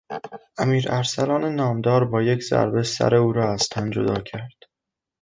امیر ارسلان نامدار با یک ضربه سر او را از تن جدا کرد.